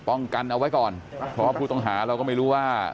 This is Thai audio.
กันเอาไว้ก่อนเพราะว่าผู้ต้องหาเราก็ไม่รู้ว่า